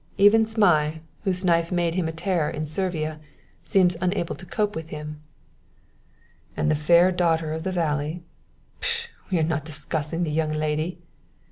Even Zmai, whose knife made him a terror in Servia, seems unable to cope with him." "And the fair daughter of the valley " "Pish! We are not discussing the young lady."